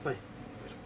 よいしょ。